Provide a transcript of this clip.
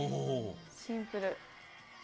シンプル。